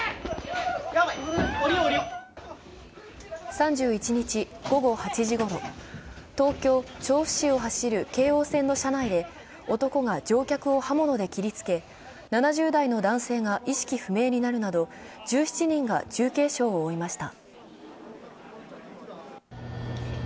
３１日午後８時ごろ、東京・調布市を走る京王線の車内で男が乗客を刃物で切りつけ、７０代の男性が意識不明になるなど、１７人が重軽傷を負いました。